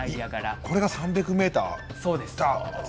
これが３００ｍ。